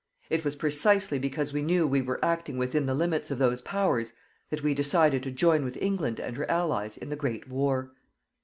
It was precisely because we knew we were acting within the limits of those powers, that we decided to join with England and her Allies in the great war.